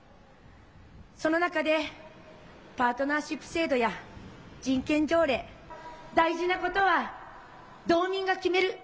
その中でパートナーシップ制度や人権条例、大事なことは道民が決める。